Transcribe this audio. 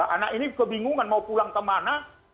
anak ini kebingungan mau pulang kemana